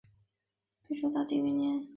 北周大定元年。